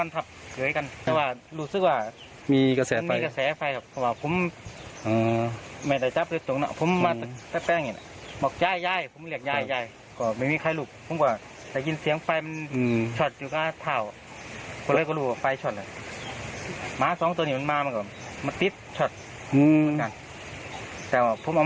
มาสองตัวนี้มันมามาก็มาติ๊บชัดอืมแบบนั้นแต่ว่าพุ่มอ่า